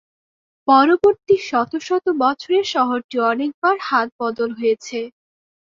পরবর্তী শত শত বছরে শহরটি অনেকবার হাত বদল হয়েছে।